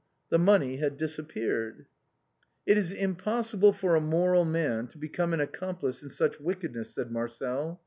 The money had disappeared. " It is impossible for a moral man to become an accom plice in such wickedness," said Marcel.